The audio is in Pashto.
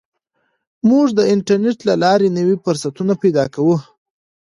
موږ د انټرنیټ له لارې نوي فرصتونه پیدا کوو.